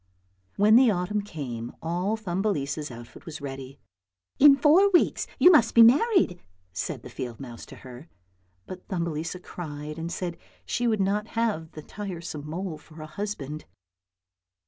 When the autumn came all Thumbelisa's outfit was ready. " In four weeks you must be married," said the field mouse to her. But Thumbelisa cried and said that she would not have the tiresome mole for a husband.